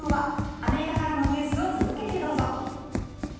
アメリカからのニュースを続けてどうぞ。